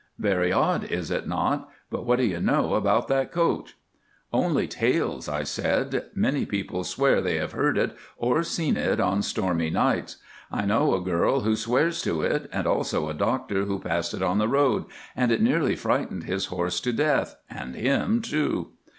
Very odd, is it not; but what do you know about that coach?" "Only tales," I said. "Many people swear they have heard it, or seen it, on stormy nights. I know a girl who swears to it, and also a doctor who passed it on the road, and it nearly frightened his horse to death and him too.